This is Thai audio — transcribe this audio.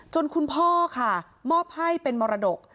คุณพ่อค่ะมอบให้เป็นมรดก